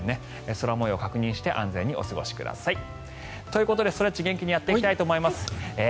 空模様を確認して安全にお過ごしください。ということでストレッチ元気にやっていきたいと思います。